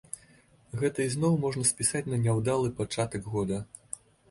Гэта ізноў можна спісаць на няўдалы пачатак года.